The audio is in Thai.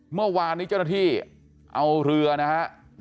เมื่อวานนี้เจ้าหน้าที่เอาเรือนะครับ